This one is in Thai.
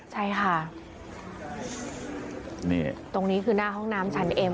ใช่ค่ะนี่ตรงนี้คือหน้าห้องน้ำชั้นเอ็ม